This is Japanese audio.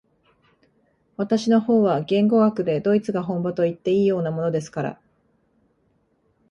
私の方は言語学でドイツが本場といっていいようなものですから、